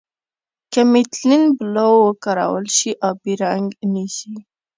که میتیلین بلو وکارول شي آبي رنګ نیسي.